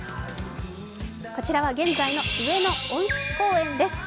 こちらは現在の上野恩賜公園です。